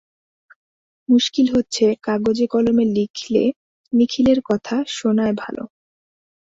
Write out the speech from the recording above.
মুশকিল হচ্ছে, কাগজে কলমে লিখলে নিখিলের কথা শোনায় ভালো।